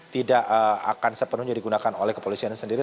tidak akan sepenuhnya digunakan oleh kepolisian sendiri